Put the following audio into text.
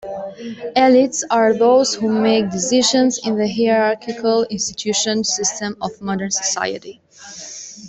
Elites are those who make decisions in the hierarchical institutional systems of modern society.